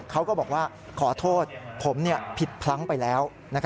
เขาก็บอกว่าขอโทษผมผิดพลั้งไปแล้ว